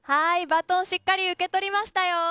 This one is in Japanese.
バトンしっかり受け取りましたよ。